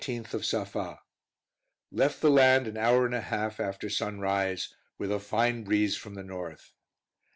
19th of Safa, Left the land an hour and a half after sunrise, with a fine breeze from the north.